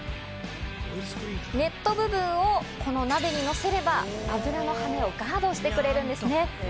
ネット部分をこの鍋に乗せれば油のハネをガードしてくれるんですね。